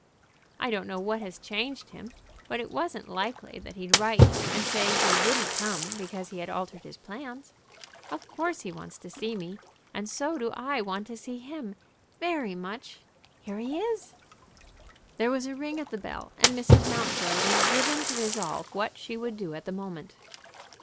I don't know what has changed him; but it wasn't likely that he'd write and say he wouldn't come because he had altered his plans. Of course he wants to see me; and so do I want to see him very much. Here he is!" There was a ring at the bell, and Mrs. Mountjoy was driven to resolve what she would do at the moment.